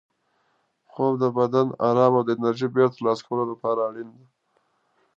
خوب د بدن د ارام او انرژۍ بېرته ترلاسه کولو لپاره اړین دی.